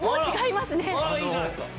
あらいいじゃないですか。